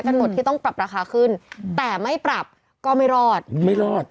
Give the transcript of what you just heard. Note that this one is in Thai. หมดที่ต้องปรับราคาขึ้นแต่ไม่ปรับก็ไม่รอดไม่รอด